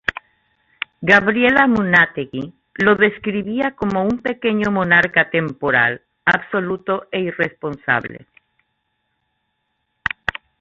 Gabriel Amunátegui lo describía como "un pequeño monarca temporal, absoluto e irresponsable".